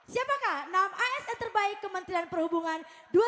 siapakah enam asn terbaik kementerian perhubungan dua ribu dua puluh